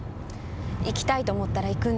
行きたいと思ったら行くんです。